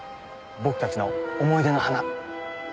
僕たちの思い出の花。